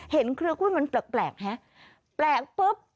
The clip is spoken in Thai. เห็นเครื่องกล้วยมันแปลกแหะแปลกปุ๊บ